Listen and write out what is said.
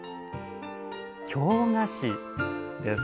「京菓子」です。